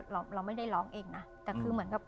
เราเราไม่ได้ร้องเองนะแต่คือเหมือนกับ